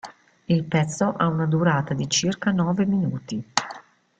Il pezzo ha una durata di circa nove minuti.